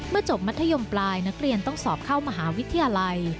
จบมัธยมปลายนักเรียนต้องสอบเข้ามหาวิทยาลัย